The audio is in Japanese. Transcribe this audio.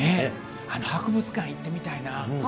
博物館行ってみたいな。